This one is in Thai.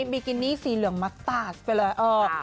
บิกินี่สีเหลืองมาตาดไปเลย